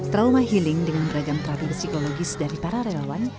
trauma healing dengan beragam teratur psikologis dari para relawan